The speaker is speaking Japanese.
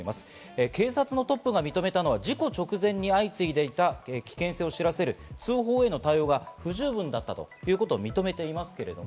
警察のトップが認めたのは事故直前に相次いでいた危険性を知らせる通報への対応が不十分だったということを認めています。